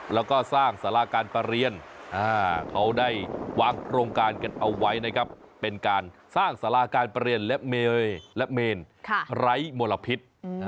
แล้วจะสร้างสาราการประเรียนเขาได้วางโรงการเอาไว้เป็นการสร้างสาราการประเรียนร้ายมลพิษ